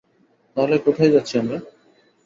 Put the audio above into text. তাহলে, কোথায় যাচ্ছি আমরা?